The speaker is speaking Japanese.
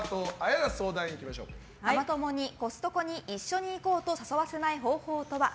ママ友に一緒に行こうと誘わせない方法とは？